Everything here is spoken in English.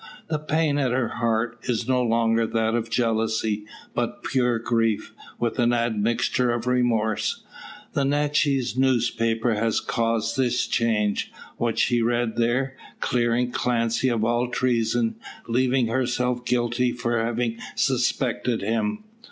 The pain at her heart is no longer that of jealousy, but pure grief, with an admixture of remorse. The Natchez newspaper has caused this change; what she read there, clearing Clancy of all treason, leaving herself guilty for having suspected him.